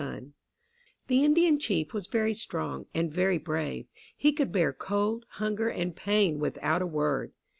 ] The Indian chief was very strong and very brave. He could bear cold, hunger and pain without a word.